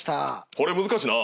これ難しいな。